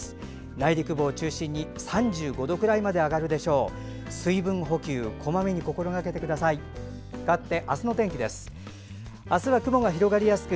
内陸部を中心に３５度くらいまで上がるでしょう。